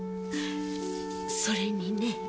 それにね